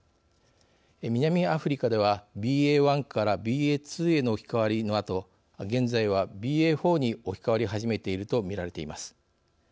南アフリカではＢＡ．１からＢＡ．２への置き換わりのあと現在はＢＡ．４に置き換わり始めていると見られています。